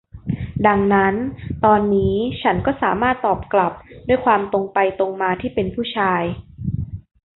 ดังนั้นตอนนี้ฉันก็สามารถตอบกลับด้วยความตรงไปตรงมาที่เป็นผู้ชาย